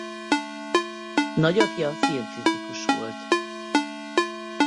Nagyapja filmkritikus volt.